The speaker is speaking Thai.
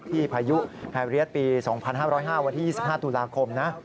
พายุแพเรียสปี๒๕๐๕วันที่๒๕ตุลาคมนะ